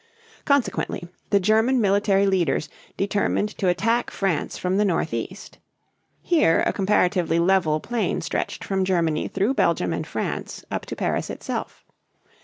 Consequently the German military leaders determined to attack France from the northeast. Here a comparatively level plain stretched from Germany through Belgium and France up to Paris itself.